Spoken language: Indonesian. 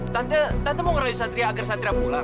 tante tante mau ngerayu satria agar satria pulang